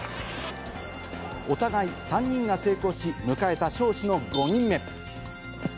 お互い３人が成功し、迎えた尚志の５人目。